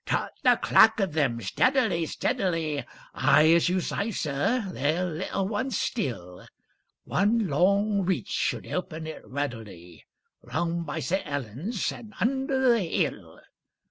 'Tut, the clack of them! Steadily! Steadily! Aye, as you say, sir, they're little ones still; One long reach should open it readily, Round by St. Helens and under the hill.